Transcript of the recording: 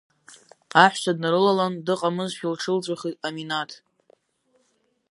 Аҳәса днарылалан, дыҟаӡамызшәа лҽылҵәахит Аминаҭ.